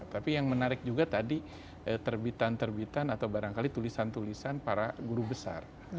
tapi yang menarik juga tadi terbitan terbitan atau barangkali tulisan tulisan para guru besar